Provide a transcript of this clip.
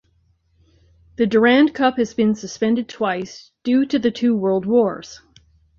The Durand Cup has been suspended twice, due to the two World Wars.